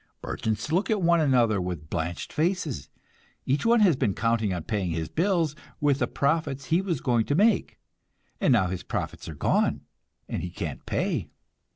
Merchants look at one another with blanched faces; each one has been counting on paying his bills with the profits he was going to make, and now his profits are gone, and he can't pay.